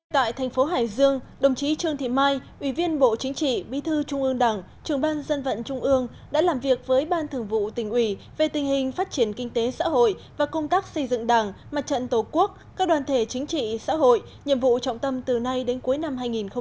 tại thành phố hải dương đồng chí trương thị mai ủy viên bộ chính trị bí thư trung ương đảng trường ban dân vận trung ương đã làm việc với ban thường vụ tỉnh ủy về tình hình phát triển kinh tế xã hội và công tác xây dựng đảng mặt trận tổ quốc các đoàn thể chính trị xã hội nhiệm vụ trọng tâm từ nay đến cuối năm hai nghìn hai mươi